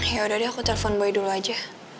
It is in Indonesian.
yaudah deh aku telpon boy dulu aja